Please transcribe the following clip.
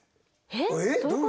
えっどういう？